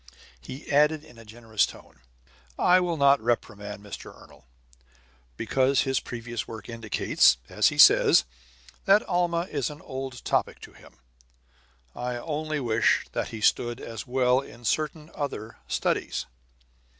He added in a generous tone: "I will not reprimand Mr. Ernol, because his previous work indicates, as he says, that Alma is an old topic to him. I only wish that he stood as well in certain other studies!"